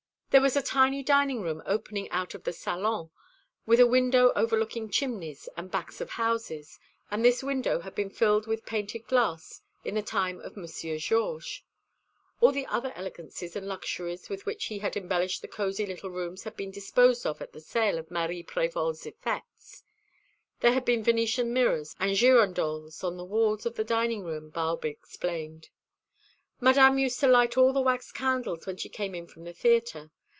There was a tiny dining room opening out of the salon, with a window overlooking chimneys and backs of houses, and this window had been filled with painted glass in the time of Monsieur Georges. All the other elegances and luxuries with which he had embellished the cosy little rooms had been disposed of at the sale of Marie Prévol's effects. There had been Venetian mirrors and girandoles on the walls of the dining room, Barbe explained. "Madame used to light all the wax candles when she came in from the theatre.